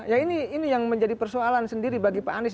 ya ini yang menjadi persoalan sendiri bagi pak anies